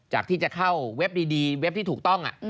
ที่จะเข้าเว็บดีเว็บที่ถูกต้อง